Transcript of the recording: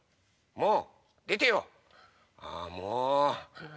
もう！